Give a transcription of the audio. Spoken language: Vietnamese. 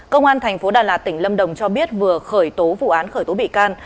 công an tp đà lạt tỉnh lâm đồng cho biết vừa khởi tố vụ án khởi tố bị can